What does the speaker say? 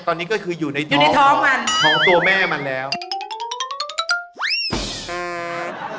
ตอนนี้ก็คืออยู่ในท้องของตัวแม่มันแล้วอยู่ในท้องมัน